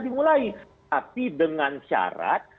dimulai tapi dengan syarat